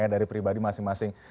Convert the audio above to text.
dari pribadi masing masing